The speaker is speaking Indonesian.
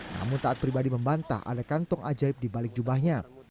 namun taat pribadi membantah ada kantong ajaib di balik jubahnya